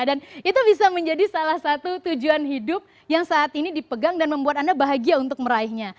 dan itu bisa menjadi salah satu tujuan hidup yang saat ini dipegang dan membuat anda bahagia untuk meraihnya